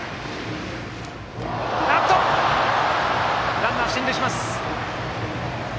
ランナー、進塁します。